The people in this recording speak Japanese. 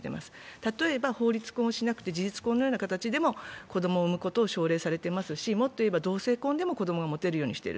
例えば法律婚をしなくて事実婚のような形でも子供を産むことが奨励されていますしもっといえば、同性婚でも子供を持てるようにしている。